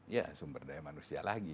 ya sumber daya manusia lagi